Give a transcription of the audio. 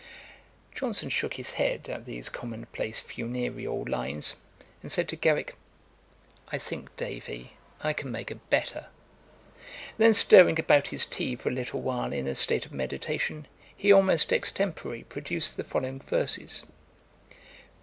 Johnson shook his head at these common place funereal lines, and said to Garrick, 'I think, Davy, I can make a better.' Then, stirring about his tea for a little while, in a state of meditation, he almost extempore produced the following verses: [Page 149: Epigram on Cibber. Ætat 31.